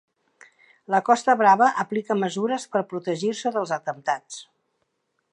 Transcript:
La Costa Brava aplica mesures per protegir-se dels atemptats.